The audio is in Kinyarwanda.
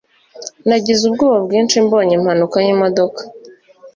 Nagize ubwoba bwinshi mbonye impanuka y'imodoka.